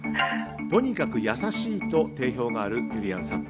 とにかく優しいと定評のあるゆりやんさん。